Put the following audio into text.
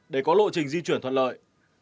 để có lộ trình di chuyển thuận lợi